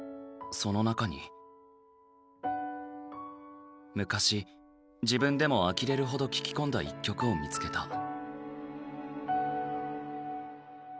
その中に昔自分でもあきれるほど聴き込んだ一曲を見つけた。